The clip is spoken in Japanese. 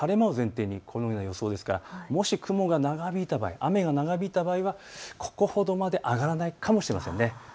これは晴れを前提にこのような予想ですからもし雨が長引いた場合は、これほどまで上がらないかもしれません。